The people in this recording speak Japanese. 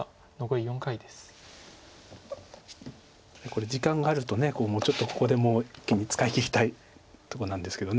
これ時間があるとちょっとここでもう一気に使いきりたいとこなんですけど。